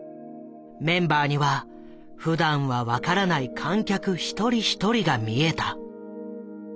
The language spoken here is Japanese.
メンバーにはふだんは分からない観客一人一人が見えた。